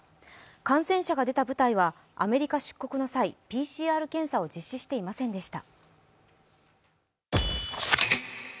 感染者が出た部隊はアメリカ出国の際、ＰＣＲ検査を実施していませんでした。